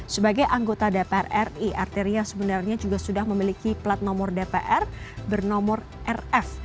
sebagai anggota dpr ri arteria sebenarnya juga sudah memiliki plat nomor dpr bernomor rf